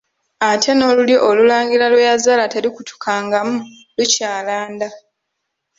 Ate n'olulyo olulangira lwe yazaala terukutukangamu, lukyalanda.